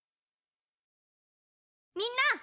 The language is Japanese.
みんな。